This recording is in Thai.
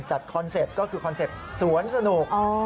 คอนเซ็ปต์ก็คือคอนเซ็ปต์สวนสนุก